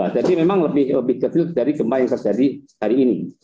jadi memang lebih kecil dari gempa yang terjadi hari ini